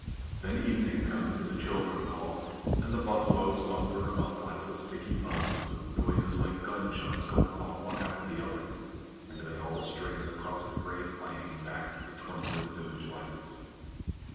Then evening comes and the children call, and the buffaloes lumber up out of the sticky mud with noises like gunshots going off one after the other, and they all string across the gray plain back to the twinkling village lights.